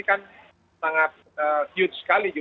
ini kan sangat huge sekali juga